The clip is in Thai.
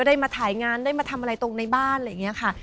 ได้มาถ่ายงานได้มาทำอะไรตรงในบ้านอะไรอย่างนี้ค่ะ